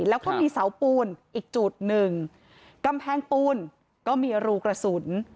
แล้วก็มีเสาปูนอีกจุดหนึ่งกำแพงปูนก็มีรูกระสุน